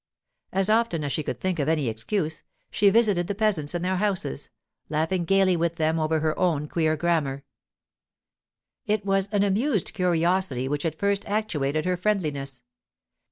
As often as she could think of any excuse, she visited the peasants in their houses, laughing gaily with them over her own queer grammar. It was an amused curiosity which at first actuated her friendliness.